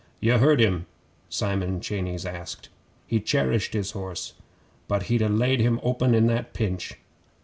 'Ye heard him?' Simon Cheyneys asked. 'He cherished his horse, but he'd ha' laid him open in that pinch.